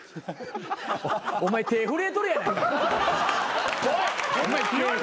お前手震えとるやないか。